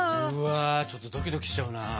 うわちょっとドキドキしちゃうな。